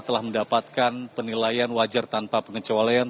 telah mendapatkan penilaian wajar tanpa pengecualian